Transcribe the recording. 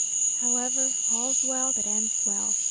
However, "All's well that ends well."